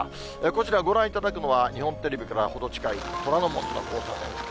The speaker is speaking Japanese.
こちら、ご覧いただくのは、日本テレビから程近い、虎ノ門の交差点付近です。